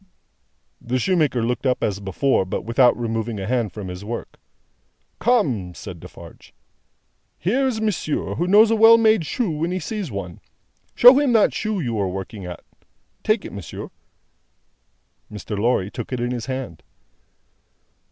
The shoemaker looked up as before, but without removing a hand from his work. "Come!" said Defarge. "Here is monsieur, who knows a well made shoe when he sees one. Show him that shoe you are working at. Take it, monsieur." Mr. Lorry took it in his hand.